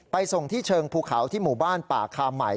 ส่งที่เชิงภูเขาที่หมู่บ้านป่าคาใหม่